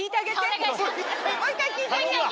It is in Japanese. もう１回聞いてみよう。